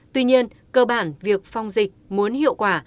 tuy nhiên cơ bản việc phong dịch muốn hiệu quả